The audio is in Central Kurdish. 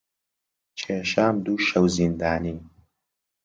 کێشام دوو شەو زیندانی